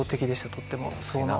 とっても。